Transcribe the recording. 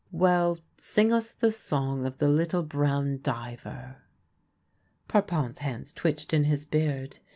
Weir, sing us the song of the little brown diver." Parpon's hands twitched in his beard.